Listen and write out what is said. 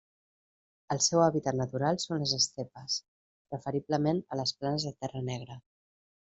El seu hàbitat natural són les estepes, preferiblement a les planes de terra negra.